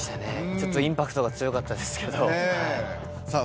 ちょっとインパクトが強かったですけどさあ